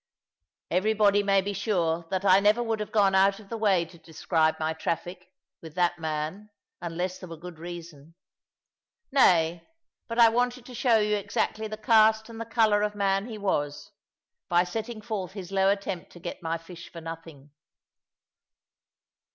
Everybody may be sure that I never would have gone out of the way to describe my traffic with that man unless there were good reason. Nay, but I wanted to show you exactly the cast and the colour of man he was, by setting forth his low attempt to get my fish for nothing.